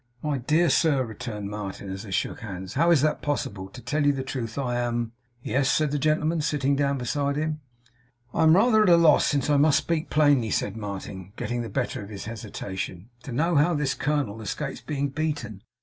'My dear sir,' returned Martin, as they shook hands, 'how is that possible! to tell you the truth, I am ' 'Yes?' said the gentleman, sitting down beside him. 'I am rather at a loss, since I must speak plainly,' said Martin, getting the better of his hesitation, 'to know how this colonel escapes being beaten.